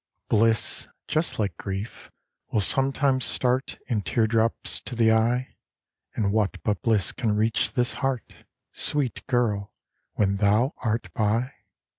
139 Bliss, just like grief, will sometimes start In tear drops to the eye ; And what but bliss can reach this heart, Sweet girl, when thou art by